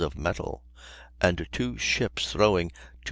of metal, and two ships throwing 273 lbs.